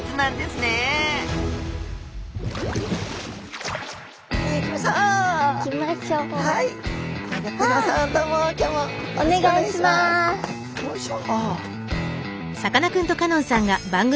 よいしょ。